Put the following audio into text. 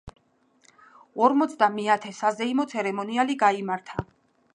ორმოცდამეათე საზეიმო ცერემონიალი გაიმართა.